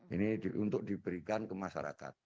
ini untuk diberikan ke masyarakat